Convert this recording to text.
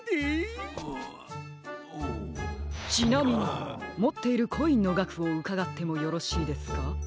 ちなみにもっているコインのがくをうかがってもよろしいですか？